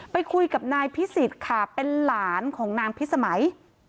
ไปคุยกับนายพิสิทธิ์ค่ะเป็นหลานของนางพิสมัย